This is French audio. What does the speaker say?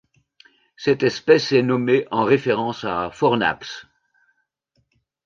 Cette espèce est nommée en référence à Fornax.